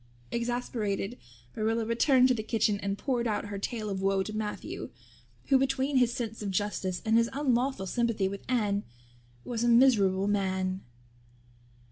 Exasperated, Marilla returned to the kitchen and poured out her tale of woe to Matthew, who, between his sense of justice and his unlawful sympathy with Anne, was a miserable man.